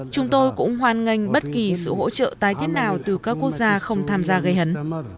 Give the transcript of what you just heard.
chúng tôi cũng hoan nghênh bất kỳ sự hỗ trợ tái thiết nào từ các quốc gia không tham gia gây hấn